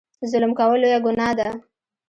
ظلم کول لویه ګناه ده.